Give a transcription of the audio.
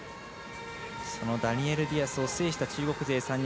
ダニエル・ディアスを制した中国勢３人。